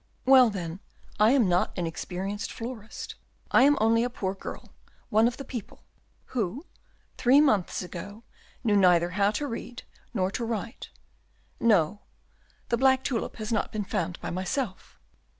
"Well, then, I am not an experienced florist; I am only a poor girl, one of the people, who, three months ago, knew neither how to read nor how to write. No, the black tulip has not been found by myself."